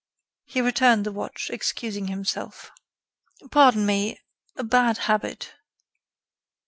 He returned the watch, excusing himself. "Pardon me.... a bad habit.